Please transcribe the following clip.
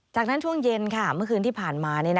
จากนั้นช่วงเย็นเมื่อคืนที่ผ่านมา